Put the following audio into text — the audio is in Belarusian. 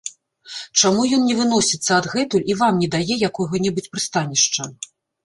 Чаму ён не выносіцца адгэтуль і вам не дае якога-небудзь прыстанішча?